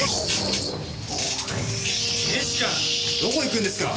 どこ行くんですか！